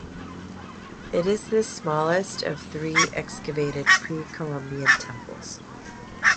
It is the smallest of three excavated pre-Columbian temples.